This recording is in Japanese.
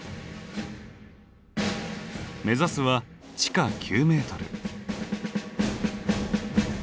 目指すは地下９メートル。